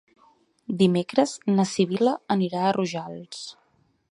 Dimecres na Sibil·la anirà a Rojals.